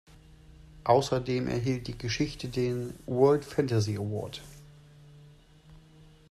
Außerdem erhielt die Geschichte den World Fantasy Award.